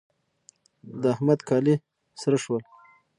د احمد کالي سره شول.